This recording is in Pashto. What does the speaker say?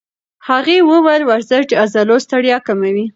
هغې وویل ورزش د عضلو ستړیا کموي.